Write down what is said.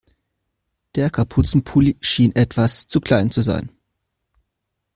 Der Kapuzenpulli schien etwas zu klein zu sein.